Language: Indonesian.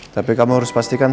tapi kamu harus pastikan